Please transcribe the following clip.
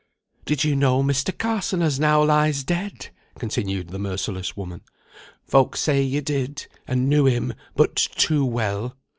"Did you know Mr. Carson as now lies dead?" continued the merciless woman. "Folk say you did, and knew him but too well.